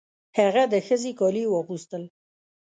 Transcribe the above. هغه د ښځې کالي یې واغوستل.